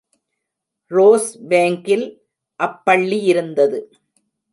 Rose Bank கில் அப் பள்ளியிருந்தது.